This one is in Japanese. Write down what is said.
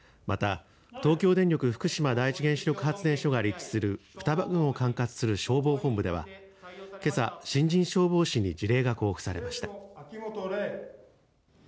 また東京電力福島第一原子力発電所が立地する双葉町では管轄する消防本部ではけさ新人消防士に辞令が交付されました。